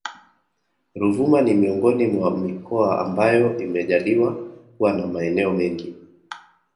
Ruvuma ni miongoni mwa mikoa ambayo imejaliwa kuwa na maeneo mengi